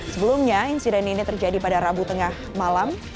sebelumnya insiden ini terjadi pada rabu tengah malam